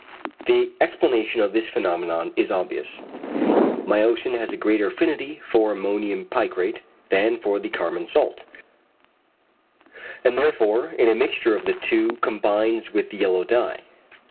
The explanation of this phenomenon is obvious. Myosin has a greater affinity for ammonium picrate than for the carmine salt, and therefore in a mixture of the two combines with the yellow dye.